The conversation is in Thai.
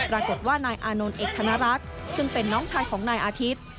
ปรากฏว่านายอานนท์เอกธนรักษ์ซึ่งเป็นน้องชายของนายอาทิตย์